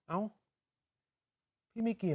เอ้าพี่ไม่เกี่ยว